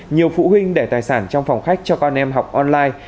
nhiều phụ huynh để tài sản trong phòng khách cho con em học online